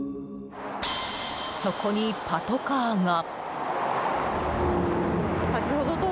そこにパトカーが。